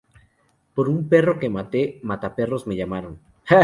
Por un perro que maté, mataperros me llamaron